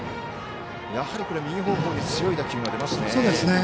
やはり見事に強い打球が出ますね。